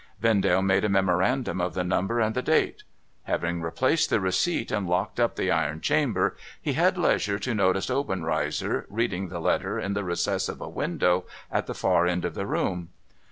Vendale made a memorandum of the number and the date. Having replaced the receipt and locked up the iron chamber, he had leisure to notice Obenreizer, reading the letter in the recess of a window at the far end of the room.